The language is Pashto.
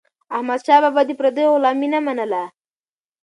احمدشاه بابا د پردیو غلامي نه منله.